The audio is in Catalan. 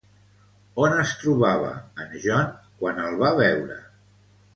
On es trobava en John quan el va veure?